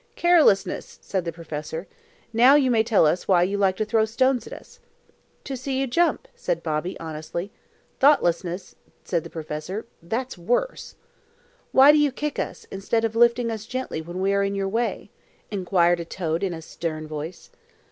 "Carelessness!" said the professor. "Now you may tell us why you like to throw stones at us." "To see you jump," said Bobby, honestly. "Thoughtlessness!" said the professor. "That's worse." "Why do you kick us, instead of lifting us gently when we are in your way?" inquired a toad in a stern voice.